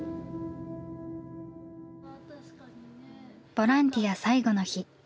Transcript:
ボランティア最後の日。